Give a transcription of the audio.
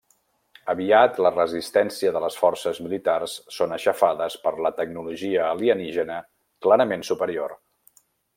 Aviat la resistència de les forces militars són aixafades per la tecnologia alienígena clarament superior.